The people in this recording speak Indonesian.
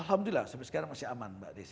alhamdulillah sampai sekarang masih aman mbak desi